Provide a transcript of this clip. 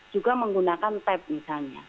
juga menggunakan tep misalnya